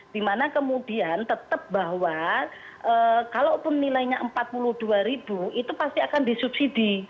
di mana kemudian tetap bahwa kalau pun nilainya empat puluh dua ribu itu pasti akan disubsidi